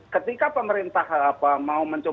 ketika pemerintah mau mencoba